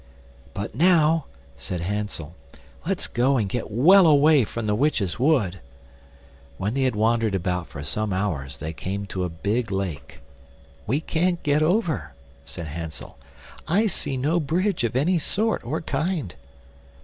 "But now," said Hansel, "let's go and get well away from the witch's wood." When they had wandered about for some hours they came to a big lake. "We can't get over," said Hansel; "I see no bridge of any sort or kind."